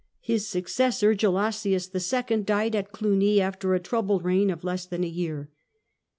His successor, Gelasius II., died at Cluny after a troubled reign of less than a year.